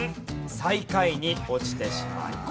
最下位に落ちてしまいます。